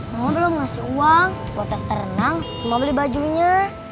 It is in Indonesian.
mama belum ngasih uang buat daftar renang semua beli bajunya